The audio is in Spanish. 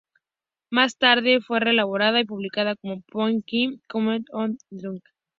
Más tarde fue reelaborada y publicada como "Property, Kin, and Community on Truk".